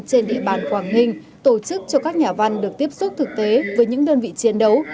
trên địa bàn quảng ninh tổ chức cho các nhà văn được tiếp xúc thực tế với những đơn vị chiến đấu